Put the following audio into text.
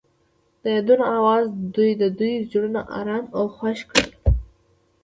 د یادونه اواز د دوی زړونه ارامه او خوښ کړل.